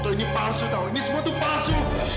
l asphalt ini palsu tau ini semua tuh palsu